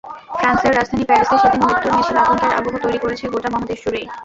ফ্রান্সের রাজধানী প্যারিসে সেদিন মৃত্যুর মিছিল আতঙ্কের আবহ তৈরি করেছে গোটা মহাদেশজুড়েই।